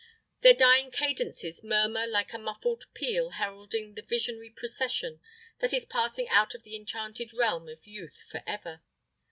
Their dying cadences murmur like a muffled peal heralding the visionary procession that is passing out of the enchanted realm of youth forever.